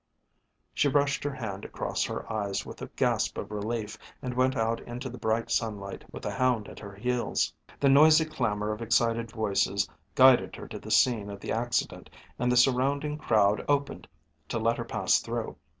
She brushed her hand across her eyes with a gasp of relief, and went out into the bright sunlight with the hound at her heels. The noisy clamour of excited voices guided her to the scene of the accident, and the surrounding crowd opened to let her pass through.